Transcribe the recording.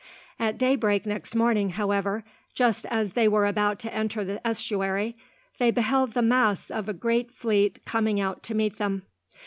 At daybreak next morning, however, just as they were about to enter the estuary, they beheld the masts of a great fleet coming out to meet them.